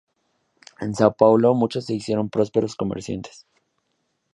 En São Paulo muchos se hicieron prósperos comerciantes.